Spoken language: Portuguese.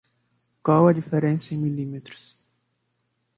Qual a diferença em milímetros?